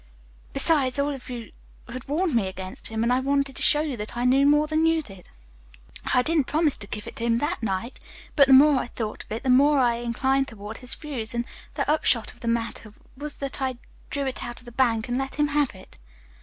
Besides, all of you had warned me against him, and I wanted to show you that I knew more than you did. "I didn't promise to give it to him that night, but the more I thought of it the more I inclined toward his views, and the upshot of the matter was that I drew it out of the bank and let him have it."